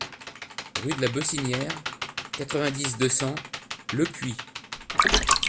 Rue de la Beucinière, quatre-vingt-dix, deux cents Lepuix